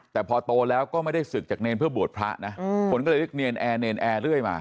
แต่พอโตแล้วก็ไม่ได้ศึกจากเนรเพื่อบวชพระนะคนก็เลยเรียกเนรนแอร์เนรแอร์เรื่อยมา